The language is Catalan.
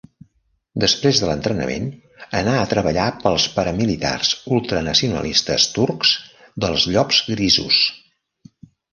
Després de l'entrenament, anà a treballar pels paramilitars ultranacionalistes turcs dels Llops Grisos.